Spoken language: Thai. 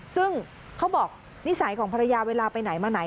ซึ่งเขาบอกนิสัยของภรรยาเวลาไปไหนมาไหน